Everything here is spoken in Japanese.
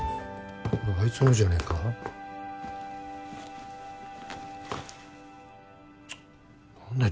これあいつのじゃねえか何だよ